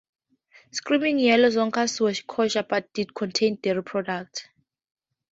Screaming Yellow Zonkers were kosher, but did contain dairy products.